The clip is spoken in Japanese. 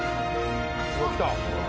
うわっ来た。